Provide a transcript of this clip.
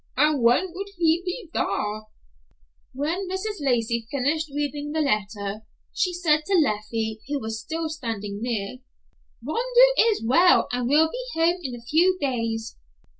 And when would he be thar?" When Mrs. Lacey finished reading the letter she said to Leffie, who was still standing near, "Rondeau is well, and will be home in a few days."